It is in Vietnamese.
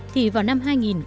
thì vào năm hai nghìn ba mươi